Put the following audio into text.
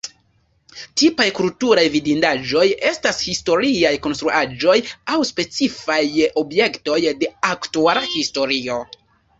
Tipaj kulturaj vidindaĵoj estas historiaj konstruaĵoj aŭ specifaj objektoj de aktuala historio.